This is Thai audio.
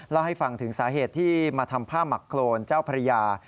เล่าให้ฟังถึงสาเหตุที่มาทำผ้าหมักโครนเจ้าพระยา